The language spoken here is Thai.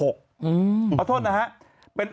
อืม